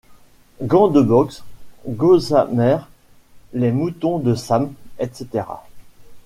Gants de boxe, Gossamer, les moutons de Sam, etc.